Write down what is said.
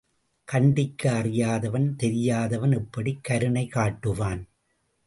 கண்டிக்க அறியாதவன், தெரியாதவன், எப்படி கருணை காட்டுவான்?